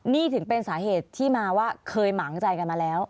นี่ถึงเป็นสาเหตุที่มาว่าเคยหมางใจกันมาแล้ว